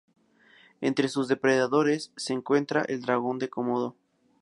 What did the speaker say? Entre sus depredadores se encuentra el dragón de Komodo.